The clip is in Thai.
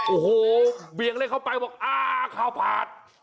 โอ้โหเบียงเล็กเข้าไปบอกอ่าข้าวผัด